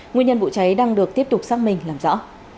nguyên nhân vụ cháy đang được tiếp tục xác minh làm rõ